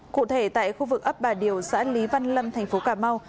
cụ thể tại khu vực ấp bà điều xã lý văn lâm thành phố cà mau